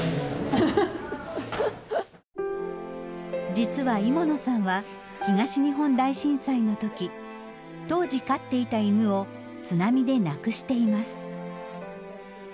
実は伊茂野さんは東日本大震災の時当時飼っていた犬を津波で亡くしています。